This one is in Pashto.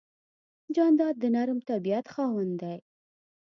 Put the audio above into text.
جانداد د نرم طبیعت خاوند دی.